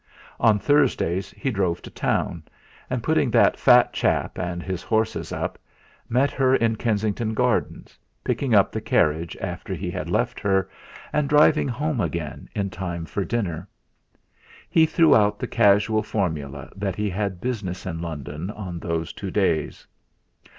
On Thursdays he drove to town, and, putting that fat chap and his horses up, met her in Kensington Gardens, picking up the carriage after he had left her, and driving home again in time for dinner. He threw out the casual formula that he had business in London on those two days.